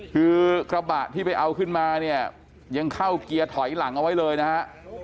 คือกระบะที่ไปเอาขึ้นมาเนี่ยยังเข้าเกียร์ถอยหลังเอาไว้เลยนะฮะ